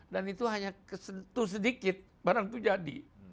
dan itu hanya kesentuh sedikit barang itu jadi